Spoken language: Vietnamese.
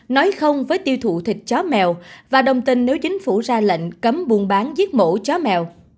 nói không với tiêu thụ thịt chó mèo và đồng tình nếu chính phủ ra lệnh cấm buôn bán giết mổ chó mèo